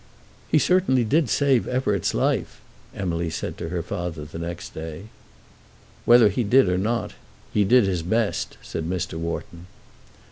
"He certainly did save Everett's life," Emily said to her father the next day. "Whether he did or not, he did his best," said Mr. Wharton.